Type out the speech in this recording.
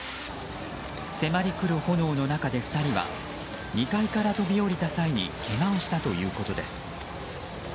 迫り来る炎の中で２人は２階から飛び降りた際にけがをしたということです。